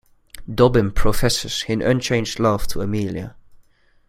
Dobbin professes his unchanged love to Amelia.